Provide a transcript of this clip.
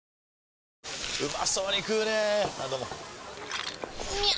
うまそうに食うねぇあどうもみゃう！！